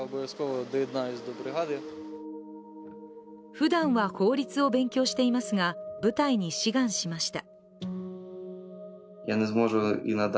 ふだんは法律を勉強していますが部隊に志願しました。